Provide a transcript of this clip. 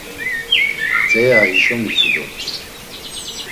Mtzea hişo mitzu dort̆u.